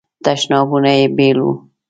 تشنابونه یې بیل وو.